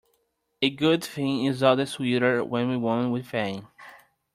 A good thing is all the sweeter when won with pain.